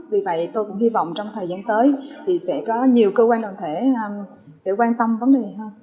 vì vậy tôi cũng hy vọng trong thời gian tới thì sẽ có nhiều cơ quan đoàn thể sẽ quan tâm vấn đề này hơn